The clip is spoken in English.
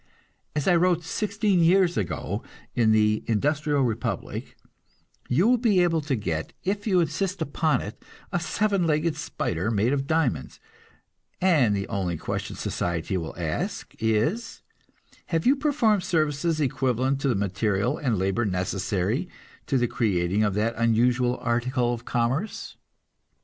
As I wrote sixteen years ago in "The Industrial Republic," you will be able to get, if you insist upon it, a seven legged spider made of diamonds, and the only question society will ask is, Have you performed services equivalent to the material and labor necessary to the creating of that unusual article of commerce?